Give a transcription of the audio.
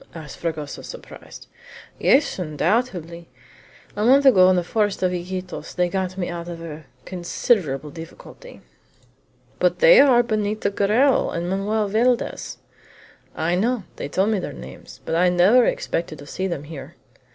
asked Fragoso, surprised. "Yes, undoubtedly! A month ago, in the forest of Iquitos, they got me out of a considerable difficulty." "But they are Benito Garral and Manoel Valdez." "I know. They told me their names, but I never expected to see them here."